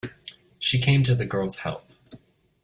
She came to the girl's help.